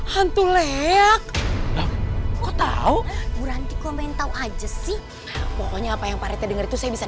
hantu leak kau tahu beranti komentar aja sih pokoknya apa yang pada denger itu saya bisa